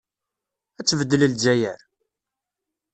Ad tbeddel Lezzayer?